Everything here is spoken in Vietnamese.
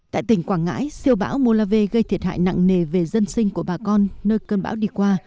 tại tỉnh quảng ngãi siêu bão mola vê gây thiệt hại nặng nề về dân sinh của bà con nơi cơn bão đi qua